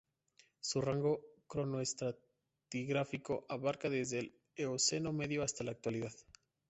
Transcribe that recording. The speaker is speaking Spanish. Su rango cronoestratigráfico abarca desde el Eoceno medio hasta la actualidad.